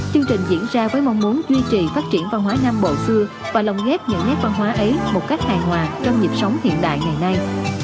chương trình diễn ra với mong muốn duy trì phát triển văn hóa nam bộ xưa và lồng ghép những nét văn hóa ấy một cách hài hòa trong nhịp sống hiện đại ngày nay